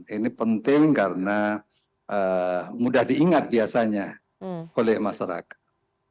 ini penting karena mudah diingat biasanya oleh masyarakat